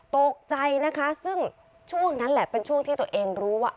ตกใจนะคะซึ่งช่วงนั้นแหละเป็นช่วงที่ตัวเองรู้ว่า